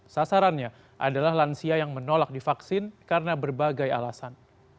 sasarannya adalah lansia yang menolak divaksin karena berbagai alasan